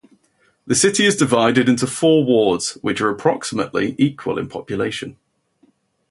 The city is divided into four wards which are approximately equal in population.